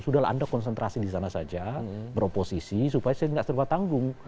sudah lah anda konsentrasi di sana saja beroposisi supaya saya nggak serba tanggung